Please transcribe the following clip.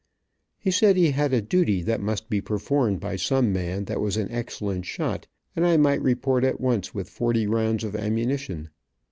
He said he had a duty that must be performed by some man that was an excellent shot, and I might report at once with forty rounds of ammunition.